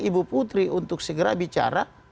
ibu putri untuk segera bicara